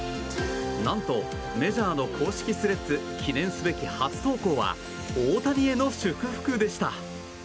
何とメジャーの公式スレッズ記念すべき初投稿は大谷への祝福でした。